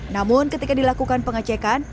namun ketika dilakukan pengecekan